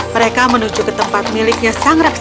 mereka menuju ke tempat miliknya sang raksasa